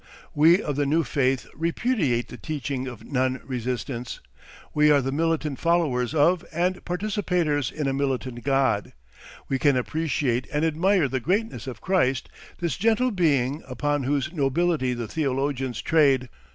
... We of the new faith repudiate the teaching of non resistance. We are the militant followers of and participators in a militant God. We can appreciate and admire the greatness of Christ, this gentle being upon whose nobility the theologians trade.